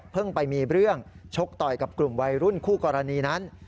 ไปมีเรื่องชกต่อยกับกลุ่มวัยรุ่นคู่กรณีนั้น